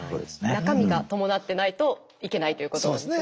中身が伴ってないといけないということですね。